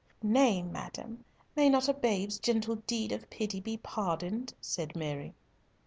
"Nay, madam, may not a babe's gentle deed of pity be pardoned?" said Mary.